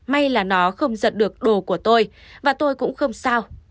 may là nó không giật được đồ của tôi và tôi cũng không sao